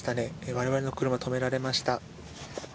我々の車、止められました。